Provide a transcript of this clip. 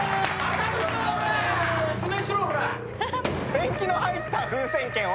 ペンキの入った風船剣を。